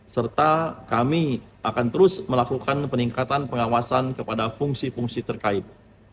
serta kami akan terus melakukan peningkatan pengawasan kepada fungsi fungsi terkait